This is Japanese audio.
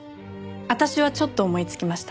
私はちょっと思いつきました。